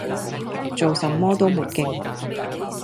做什麼都沒勁